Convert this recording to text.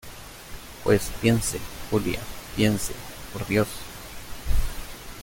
pues piense, Julia , piense , por Dios.